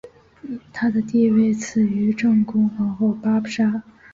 她的地位次于正宫皇后八不沙。